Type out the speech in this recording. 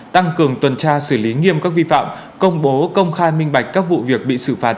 tăng cường tuần tra xử lý nghiêm các vi phạm công bố công khai minh bạch các vụ việc bị xử phạt